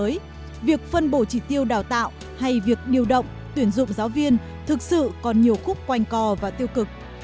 vì vậy việc phân bổ chỉ tiêu đào tạo hay việc điều động tuyển dụng giáo viên thực sự còn nhiều khúc quanh cò và tiêu cực